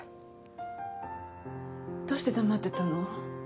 どうして黙ってたの？